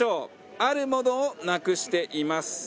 あるものをなくしています。